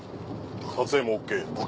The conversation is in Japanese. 撮影もＯＫ。